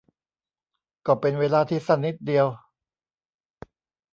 ก็เป็นเวลาที่สั้นนิดเดียว